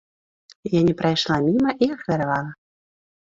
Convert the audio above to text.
Я не прайшла міма і ахвяравала.